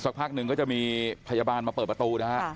ซักพักก็จะมีพยาบาลมาเปิดประตู